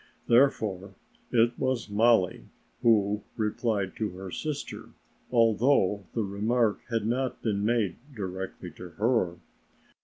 Therefore it was Mollie who replied to her sister, although the remark had not been made directly to her.